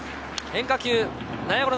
変化球。